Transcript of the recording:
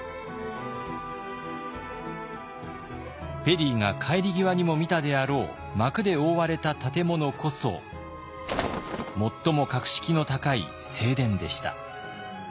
ペリーが帰り際にも見たであろう幕で覆われた建物こそ最も格式の高い正殿でした。